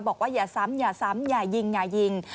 บอกว่าอย่าซ้ำอย่าซ้ำอย่ายิงอย่ายิง